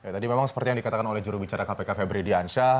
tadi memang seperti yang dikatakan oleh jurubicara kpk febri diansyah